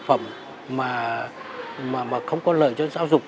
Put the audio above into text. phẩm mà không có lợi cho giáo dục